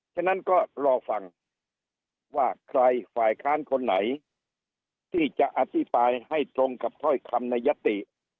ฉะนั้นก็รอฟังว่าใครฝ่ายค้านคนไหนที่จะอธิบายให้ตรงกับถ้อยคำในยติ